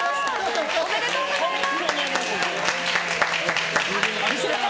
おめでとうございます。